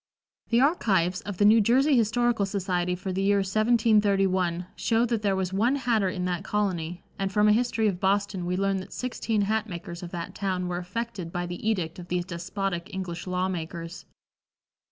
The archives of the New Jersey Historical Society for the year 1731 show that there was one hatter in that colony, and from a history of Boston we learn that sixteen hat makers of that town were affected by the edict of these despotic English law makers.